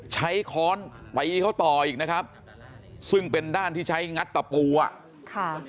ค้อนไปเขาต่ออีกนะครับซึ่งเป็นด้านที่ใช้งัดตะปูอ่ะค่ะ